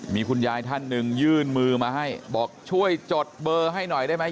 มีคุณยายท่านหนึ่งยื่นมือมาให้บอกช่วยจดเบอร์ให้หน่อยได้ไหม